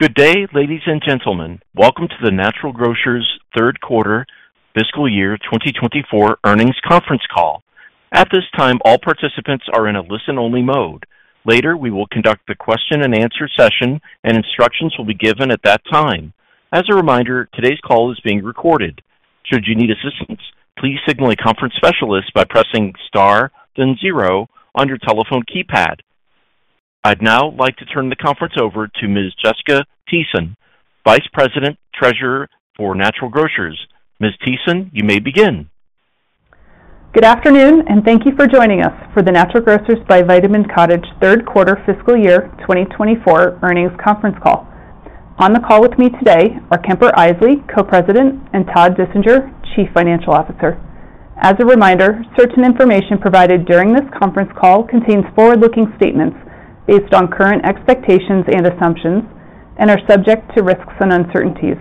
Good day, ladies and gentlemen. Welcome to the Natural Grocers third quarter fiscal year 2024 earnings conference call. At this time, all participants are in a listen-only mode. Later, we will conduct the question and answer session, and instructions will be given at that time. As a reminder, today's call is being recorded. Should you need assistance, please signal a conference specialist by pressing Star then zero on your telephone keypad. I'd now like to turn the conference over to Ms. Jessica Thiesen, Vice President, Treasurer for Natural Grocers. Ms. Thiesen, you may begin. Good afternoon, and thank you for joining us for the Natural Grocers by Vitamin Cottage third quarter fiscal year 2024 earnings conference call. On the call with me today are Kemper Isley, Co-President, and Todd Dissinger, Chief Financial Officer. As a reminder, certain information provided during this conference call contains forward-looking statements based on current expectations and assumptions and are subject to risks and uncertainties.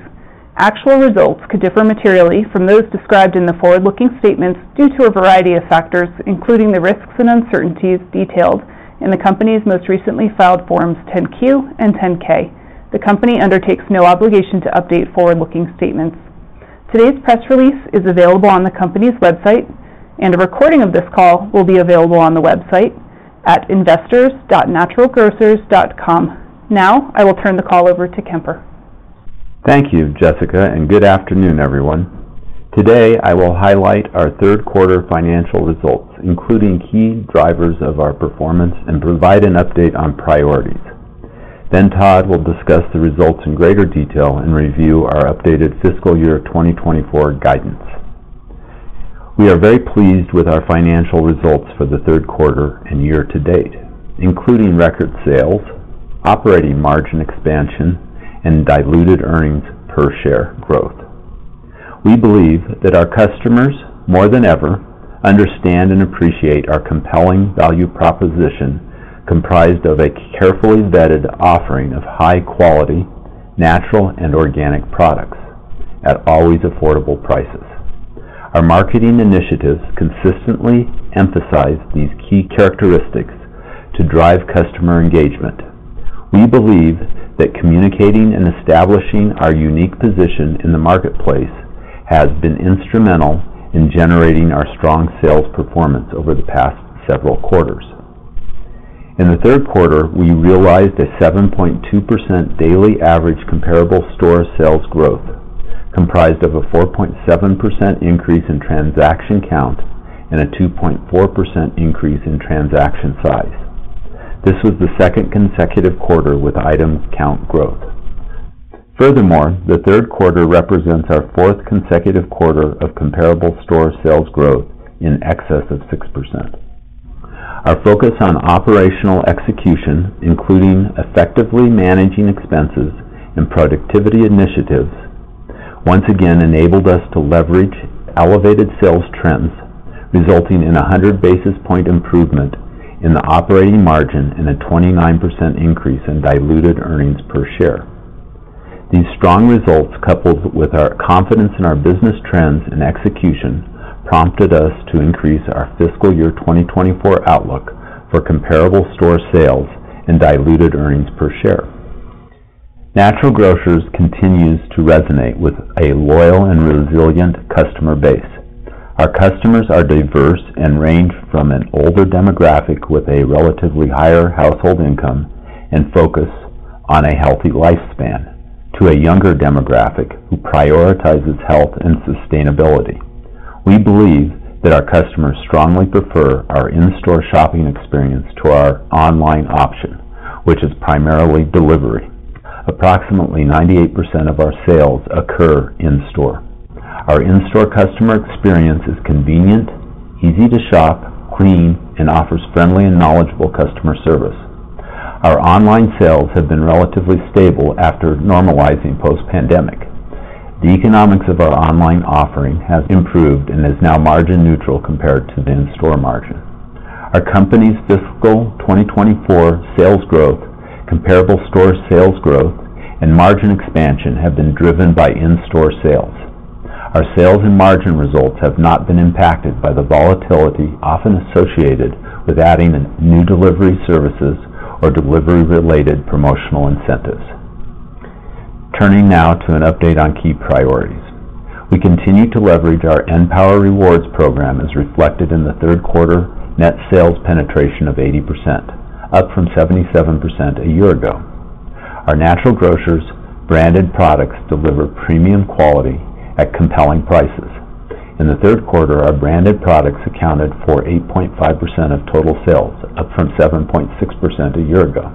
Actual results could differ materially from those described in the forward-looking statements due to a variety of factors, including the risks and uncertainties detailed in the company's most recently filed Forms 10-Q and 10-K. The company undertakes no obligation to update forward-looking statements. Today's press release is available on the company's website, and a recording of this call will be available on the website at investors.naturalgrocers.com. Now, I will turn the call over to Kemper. Thank you, Jessica, and good afternoon, everyone. Today, I will highlight our third quarter financial results, including key drivers of our performance, and provide an update on priorities. Then Todd will discuss the results in greater detail and review our updated fiscal year 2024 guidance. We are very pleased with our financial results for the third quarter and year to date, including record sales, operating margin expansion, and diluted earnings per share growth. We believe that our customers, more than ever, understand and appreciate our compelling value proposition, comprised of a carefully vetted offering of high quality, natural and organic products at always affordable prices. Our marketing initiatives consistently emphasize these key characteristics to drive customer engagement. We believe that communicating and establishing our unique position in the marketplace has been instrumental in generating our strong sales performance over the past several quarters. In the third quarter, we realized a 7.2% daily average comparable store sales growth, comprised of a 4.7% increase in transaction count and a 2.4% increase in transaction size. This was the second consecutive quarter with items count growth. Furthermore, the third quarter represents our fourth consecutive quarter of comparable store sales growth in excess of 6%. Our focus on operational execution, including effectively managing expenses and productivity initiatives, once again enabled us to leverage elevated sales trends, resulting in a 100 basis point improvement in the operating margin and a 29% increase in diluted earnings per share. These strong results, coupled with our confidence in our business trends and execution, prompted us to increase our fiscal year 2024 outlook for comparable store sales and diluted earnings per share. Natural Grocers continues to resonate with a loyal and resilient customer base. Our customers are diverse and range from an older demographic with a relatively higher household income and focus on a healthy lifespan to a younger demographic who prioritizes health and sustainability. We believe that our customers strongly prefer our in-store shopping experience to our online option, which is primarily delivery. Approximately 98% of our sales occur in-store. Our in-store customer experience is convenient, easy to shop, clean, and offers friendly and knowledgeable customer service. Our online sales have been relatively stable after normalizing post-pandemic. The economics of our online offering has improved and is now margin neutral compared to the in-store margin. Our company's fiscal 2024 sales growth, comparable store sales growth, and margin expansion have been driven by in-store sales. Our sales and margin results have not been impacted by the volatility often associated with adding new delivery services or delivery-related promotional incentives. Turning now to an update on key priorities. We continue to leverage our {N}power Rewards program, as reflected in the third quarter net sales penetration of 80%, up from 77% a year ago. Our Natural Grocers Brand products deliver premium quality at compelling prices. In the third quarter, our branded products accounted for 8.5% of total sales, up from 7.6% a year ago.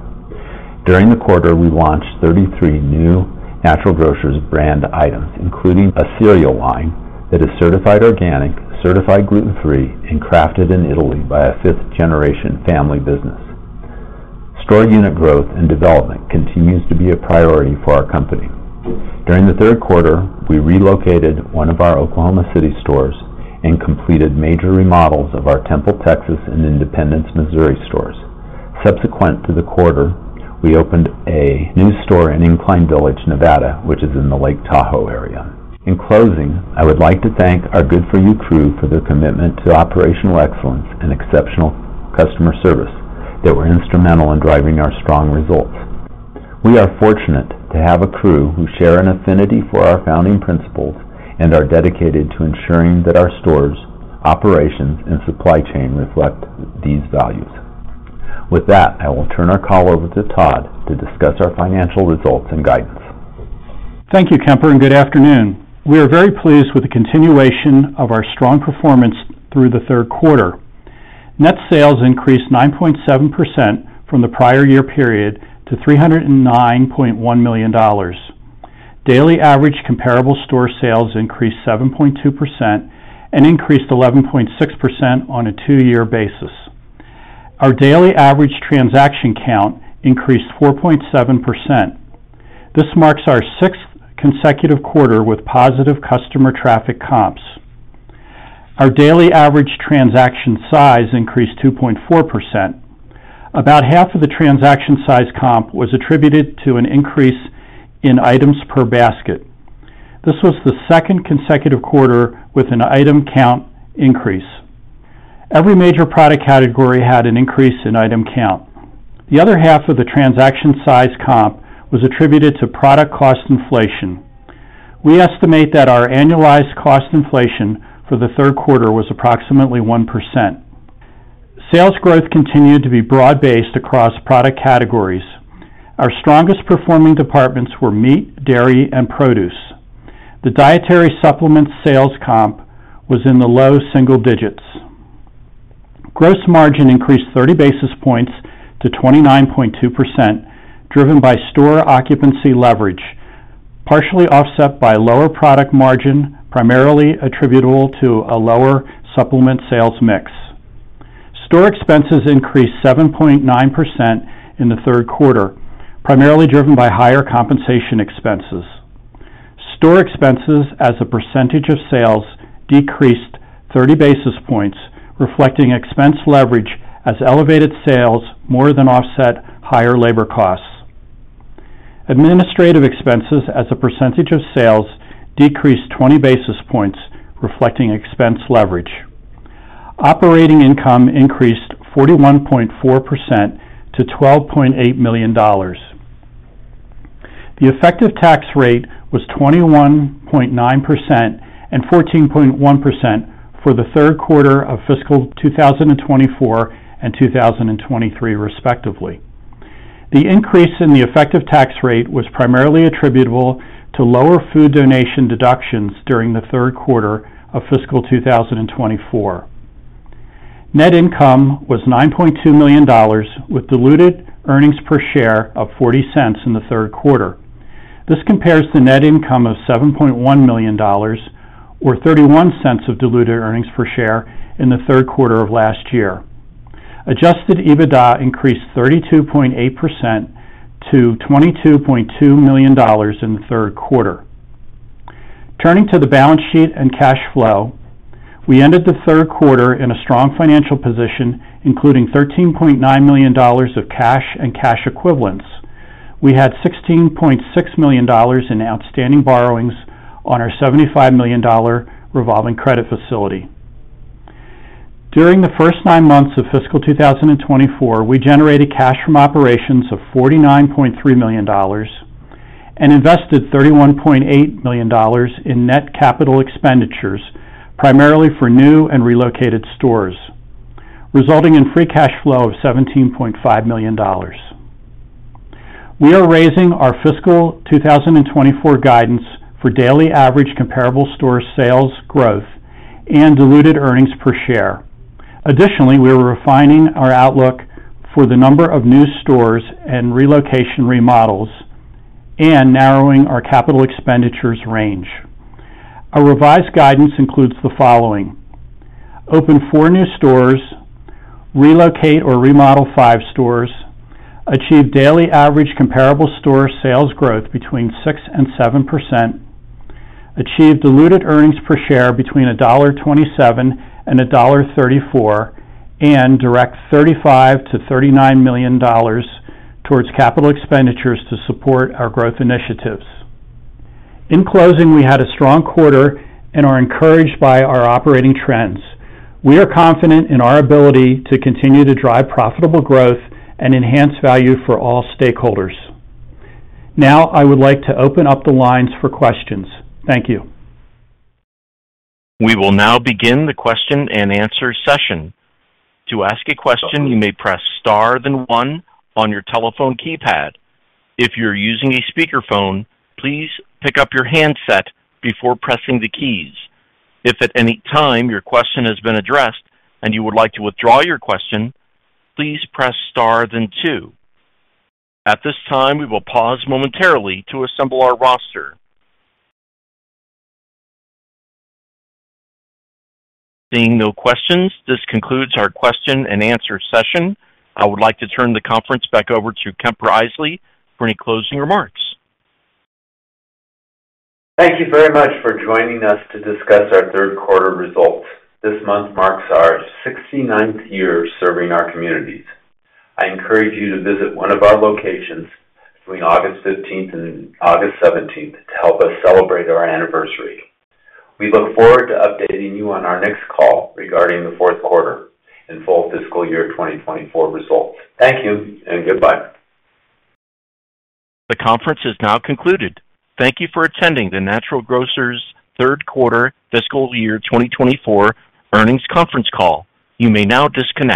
During the quarter, we launched 33 new Natural Grocers Brand items, including a cereal line that is certified organic, certified gluten-free, and crafted in Italy by a 5th-generation family business. Store unit growth and development continues to be a priority for our company. During the third quarter, we relocated one of our Oklahoma City stores and completed major remodels of our Temple, Texas, and Independence, Missouri, stores. Subsequent to the quarter, we opened a new store in Incline Village, Nevada, which is in the Lake Tahoe area. In closing, I would like to thank our good4u Crew for their commitment to operational excellence and exceptional customer service that were instrumental in driving our strong results. We are fortunate to have a crew who share an affinity for our founding principles and are dedicated to ensuring that our stores, operations, and supply chain reflect these values. With that, I will turn our call over to Todd to discuss our financial results and guidance. Thank you, Kemper, and good afternoon. We are very pleased with the continuation of our strong performance through the third quarter. Net sales increased 9.7% from the prior year period to $309.1 million. Daily average comparable store sales increased 7.2% and increased 11.6% on a 2-year basis. Our daily average transaction count increased 4.7%. This marks our sixth consecutive quarter with positive customer traffic comps. Our daily average transaction size increased 2.4%. About half of the transaction size comp was attributed to an increase in items per basket. This was the second consecutive quarter with an item count increase. Every major product category had an increase in item count. The other half of the transaction size comp was attributed to product cost inflation. We estimate that our annualized cost inflation for the third quarter was approximately 1%. Sales growth continued to be broad-based across product categories. Our strongest performing departments were meat, dairy, and produce. The dietary supplement sales comp was in the low single digits. Gross margin increased 30 basis points to 29.2%, driven by store occupancy leverage, partially offset by lower product margin, primarily attributable to a lower supplement sales mix. Store expenses increased 7.9% in the third quarter, primarily driven by higher compensation expenses. Store expenses as a percentage of sales decreased 30 basis points, reflecting expense leverage as elevated sales more than offset higher labor costs. Administrative expenses as a percentage of sales decreased 20 basis points, reflecting expense leverage. Operating income increased 41.4% to $12.8 million. The effective tax rate was 21.9% and 14.1% for the third quarter of fiscal 2024 and 2023, respectively. The increase in the effective tax rate was primarily attributable to lower food donation deductions during the third quarter of fiscal 2024. Net income was $9.2 million, with diluted earnings per share of $0.40 in the third quarter. This compares to net income of $7.1 million, or $0.31 of diluted earnings per share in the third quarter of last year. Adjusted EBITDA increased 32.8% to $22.2 million in the third quarter. Turning to the balance sheet and cash flow, we ended the third quarter in a strong financial position, including $13.9 million of cash and cash equivalents. We had $16.6 million in outstanding borrowings on our $75 million revolving credit facility. During the first nine months of fiscal 2024, we generated cash from operations of $49.3 million and invested $31.8 million in net capital expenditures, primarily for new and relocated stores, resulting in free cash flow of $17.5 million. We are raising our fiscal 2024 guidance for daily average comparable store sales growth and diluted earnings per share. Additionally, we are refining our outlook for the number of new stores and relocation remodels and narrowing our capital expenditures range. Our revised guidance includes the following: Open 4 new stores, relocate or remodel 5 stores, achieve daily average comparable store sales growth between 6%-7%, achieve diluted earnings per share between $1.27 and $1.34, and direct $35 million-$39 million towards capital expenditures to support our growth initiatives. In closing, we had a strong quarter and are encouraged by our operating trends. We are confident in our ability to continue to drive profitable growth and enhance value for all stakeholders. Now, I would like to open up the lines for questions. Thank you. We will now begin the question-and-answer session. To ask a question, you may press star, then one on your telephone keypad. If you're using a speakerphone, please pick up your handset before pressing the keys. If at any time your question has been addressed and you would like to withdraw your question, please press star, then two. At this time, we will pause momentarily to assemble our roster. Seeing no questions, this concludes our question-and-answer session. I would like to turn the conference back over to Kemper Isley for any closing remarks. Thank you very much for joining us to discuss our third quarter results. This month marks our 69th year serving our communities. I encourage you to visit one of our locations between August 15th and August 17th to help us celebrate our anniversary. We look forward to updating you on our next call regarding the fourth quarter and full fiscal year 2024 results. Thank you and goodbye. The conference is now concluded. Thank you for attending the Natural Grocers third quarter fiscal year 2024 earnings conference call. You may now disconnect.